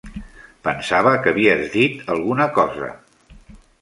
Pensava que havies dit alguna cosa.